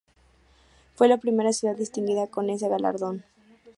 Fue la primera ciudad distinguida con ese galardón.